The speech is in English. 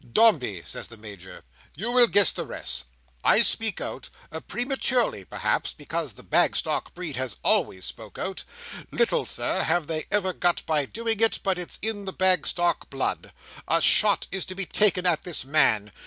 "Dombey!" says the Major, "you will guess the rest. I speak out—prematurely, perhaps—because the Bagstock breed have always spoke out. Little, Sir, have they ever got by doing it; but it's in the Bagstock blood. A shot is to be taken at this man.